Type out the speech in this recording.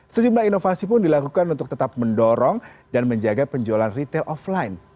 sejumlah inovasi pun dilakukan untuk tetap mendorong dan menjaga penjualan retail offline